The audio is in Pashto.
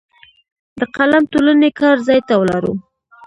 د قلم ټولنې کار ځای ته ولاړو.